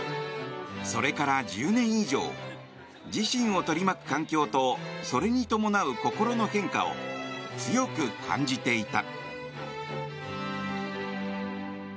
それから１０年以上自身を取り巻く環境とそれに伴う心の変化を強く感じていた。